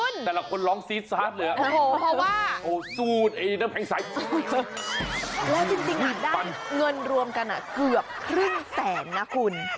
แล้วจริงเนียนเรียนได้เงินรวมเกือบครึ่งแสน